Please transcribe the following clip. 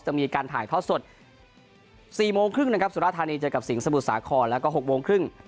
มีการถ่ายทอดสด๔โมงครึ่งนะครับสุราธานีเจอกับสิงห์สมุทรสาครแล้วก็๖โมงครึ่ง